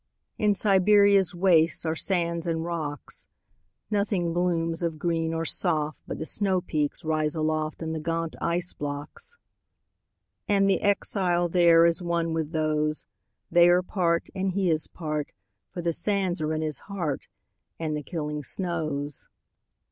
In Siberia's wastesAre sands and rocks. Nothing blooms of green or soft, But the snowpeaks rise aloftAnd the gaunt ice blocks. And the exile thereIs one with those; They are part, and he is part, For the sands are in his heart, And the killing snows.